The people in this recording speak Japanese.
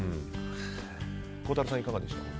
孝太郎さん、いかがでした？